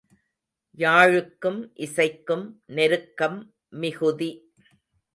யாழுக்கும் இசைக்கும் நெருக்கம் மிகுதி.